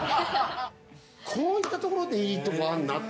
こういったところでいいところがあるなって。